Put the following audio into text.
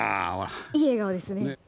いい笑顔ですね。